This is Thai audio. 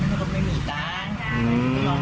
พี่สาวบอกว่าไม่ได้ไปกดยกเลิกรับสิทธิ์นี้ทำไม